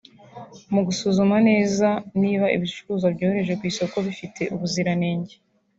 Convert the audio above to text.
Mu gusuzuma neza niba ibicuruzwa bohereje ku isoko bifite ubuziranenge